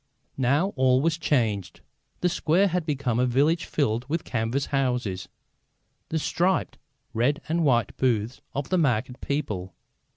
Now all was changed. The square had become a village filled with canvas houses, the striped red and white booths of the market people.